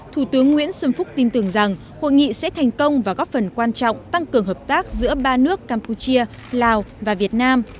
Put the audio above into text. thủ tướng nguyễn xuân phúc tin tưởng rằng hội nghị sẽ thành công và góp phần quan trọng tăng cường hợp tác giữa ba nước campuchia lào và việt nam